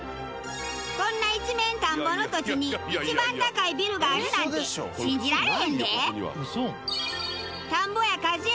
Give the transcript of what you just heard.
こんな一面田んぼの土地に一番高いビルがあるなんて信じられへんで。